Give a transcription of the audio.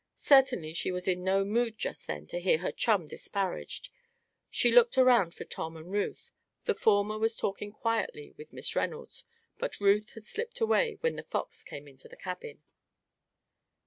Certainly she was in no mood just then to hear her chum disparaged. She looked around for Tom and Ruth; the former was talking quietly with Miss Reynolds, but Ruth had slipped away when The Fox came into the cabin.